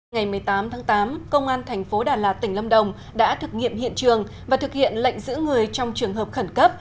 ngày một mươi tám tháng tám công an thành phố đà lạt tỉnh lâm đồng đã thực nghiệm hiện trường và thực hiện lệnh giữ người trong trường hợp khẩn cấp